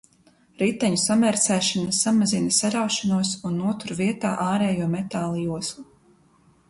Riteņu samērcēšana samazina saraušanos un notur vietā ārējo metāla joslu.